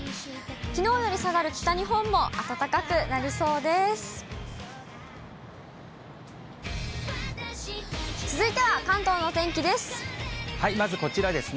きのうより下がる北日本も、暖かくなりそうです。